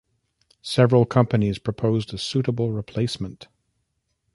Several companies proposed a suitable replacement.